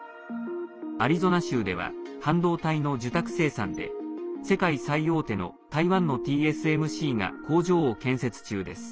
アリゾナ州では半導体の受託生産で世界最大手の台湾のＴＳＭＣが工場を建設中です。